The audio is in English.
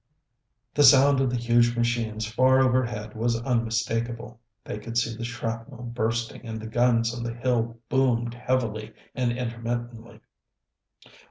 The sound of the huge machines far overhead was unmistakable. They could see the shrapnel bursting, and the guns on the hill boomed heavily and intermittently.